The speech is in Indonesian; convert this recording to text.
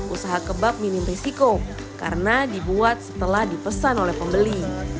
usaha kebab minim risiko karena dibuat setelah dipesan oleh pembeli